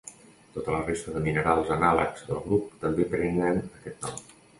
Tota la resta de minerals anàlegs del grup també prenen aquest nom.